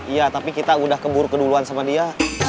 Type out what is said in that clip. iya tapi kita udah keburu keduluan sama dia